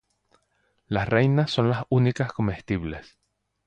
Las reinas son las únicas comestibles.